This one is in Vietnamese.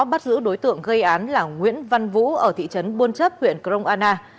bắt giữ đối tượng gây án là nguyễn văn vũ ở thị trấn buôn chấp huyện kroana